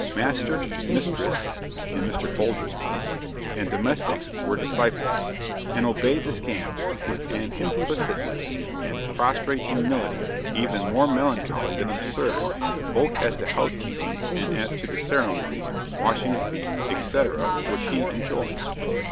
Master, mistress (in Mr. Folger's home,) and domestics were disciples, and obeyed the scamp with an implicitness and prostrate humility even more melancholy than absurd, both as to housekeeping and as to the ceremonies, washing of feet, etc., which he enjoined.